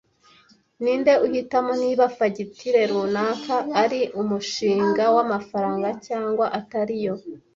Ninde uhitamo niba fagitire runaka ari umushinga w'amafaranga cyangwa atariyo